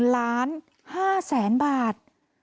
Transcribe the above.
ล้าน๕แสนบาท